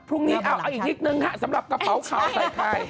พรุ่งนี้เอาอีกนิดนึงฮะสำหรับกระเป๋าข่าวใส่ไข่